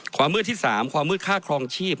๓ความมืดค่าครองชีพ